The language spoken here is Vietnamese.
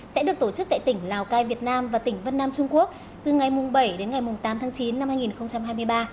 sẽ được tổ chức tại tỉnh lào cai việt nam và tỉnh vân nam trung quốc từ ngày bảy đến ngày tám tháng chín năm hai nghìn hai mươi ba